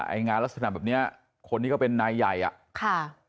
ไอ้งานลักษณะแบบเนี้ยคนนี้ก็เป็นนายใหญ่อ่ะค่ะ